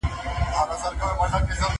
ليکلي پاڼي د زده کوونکي له خوا ترتيب کيږي!؟